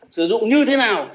sử dụng như thế nào